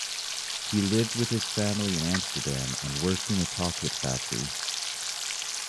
He lived with his family in Amsterdam and worked in a chocolate factory.